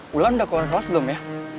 bulan udah keluar kelas belum ya